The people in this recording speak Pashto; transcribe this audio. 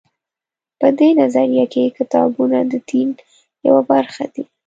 په دې نظریه کې کتابونه د دین یوه برخه دي.